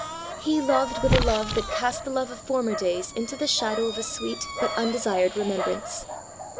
He loved with a love that cast the love of former days into the shadow of a sweet but undesired remembrance.